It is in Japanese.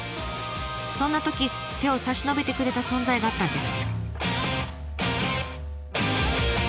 そんなとき手を差し伸べてくれた存在があったんです。